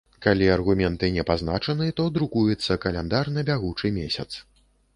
Калі аргументы не пазначаны, то друкуецца каляндар на бягучы месяц.